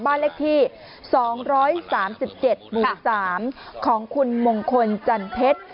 บ้านเลขที่๒๓๗๓ของคุณมงคลจันทร์เพชร